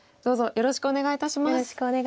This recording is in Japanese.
よろしくお願いします。